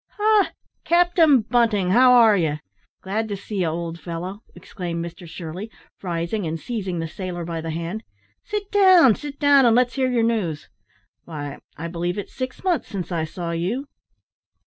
"Ha! Captain Bunting, how are ye? Glad to see you, old fellow," exclaimed Mr Shirley, rising and seizing the sailor by the hand. "Sit down, sit down, and let's hear your news. Why, I believe it's six months since I saw you."